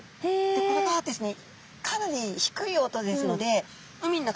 でこれがですねかなり低い音ですのでそうなんだ。